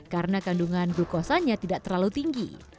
karena kandungan glukosanya tidak terlalu tinggi